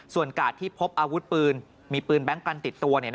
ส่วนกาดที่พบอาวุธปืนมีปืนแบงค์กันติดตัว